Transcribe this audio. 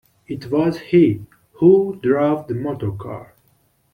It was he who drove the motor-car!